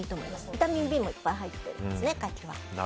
ビタミンＢもいっぱい入ってますからね、カキは。